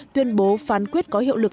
tuyên bố phán quyết có hiệu lực